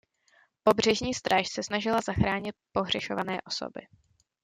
Pobřežní stráž se snažila zachránit pohřešované osoby.